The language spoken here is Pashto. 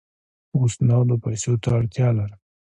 اوس نغدو پیسو ته اړتیا لرم.